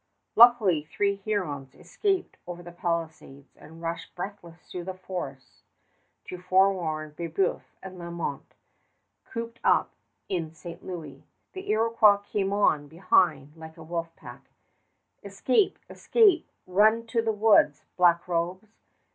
Luckily three Hurons escaped over the palisades and rushed breathless through the forest to forewarn Brébeuf and Lalemant cooped up in St. Louis. The Iroquois came on behind like a wolf pack. "Escape! Escape! Run to the woods, Black Robes!